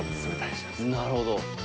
なるほど。